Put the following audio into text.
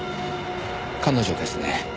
彼女ですね。